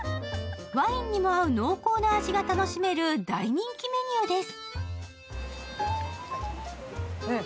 ワインにも合う濃厚な味が楽しめる大人気メニューです。